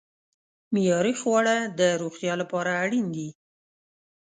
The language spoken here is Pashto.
معیاري خواړه د روغتیا لپاره اړین دي.